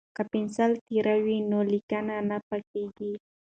که پنسل تیره وي نو لیکنه نه پیکه کیږي.